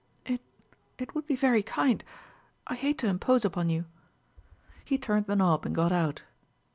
"It it would be very kind ... I hate to impose upon you." He turned the knob and got out.